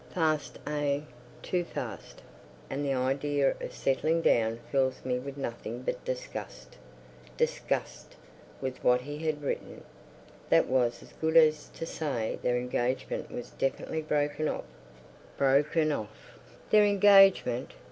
Fast! Ah, too Fast. "... and the idea of settling down fills me with nothing but disgust—" Disgust was what he had written. That was as good as to say their engagement was definitely broken off. Broken off! Their engagement!